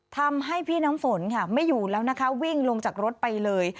ทำให้พี่น้ำฝนค่ะไม่อยู่แล้วนะคะวิ่งลงจากรถไปเลย